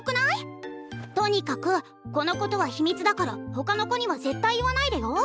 とにかくこのことは秘密だからほかの子には絶対言わないでよ。